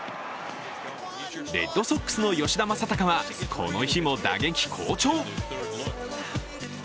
レッドソックスの吉田正尚はこの日も打撃好調。